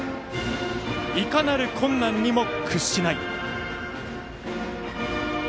いかなる困難にも屈しない。